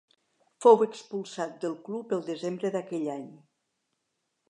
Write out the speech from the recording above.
Fou expulsat del club el desembre d'aquell any.